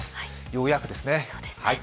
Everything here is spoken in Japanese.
ようやくですね。